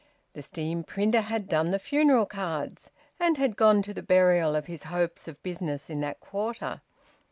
The steam printer had done the funeral cards, and had gone to the burial of his hopes of business in that quarter.